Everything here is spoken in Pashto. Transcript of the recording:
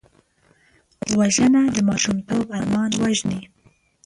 وژنه د ماشومتوب ارمان وژني